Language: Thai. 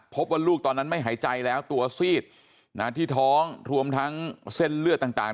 พบว่าลูกตอนนั้นไม่หายใจแล้วตัวซีดที่ท้องรวมทั้งเส้นเลือดต่าง